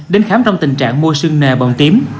đến khám trong tình trạng mô sương nề bồng tím